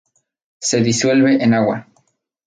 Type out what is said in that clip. Se disuelve en agua.